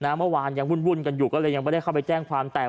เมื่อวานยังวุ่นกันอยู่ก็เลยยังไม่ได้เข้าไปแจ้งความแต่